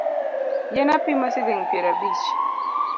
Yien apimo siling’ piero abich